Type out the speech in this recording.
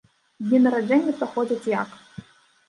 Дні нараджэння праходзяць як?